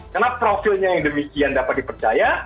karena profilnya yang demikian dapat dipercaya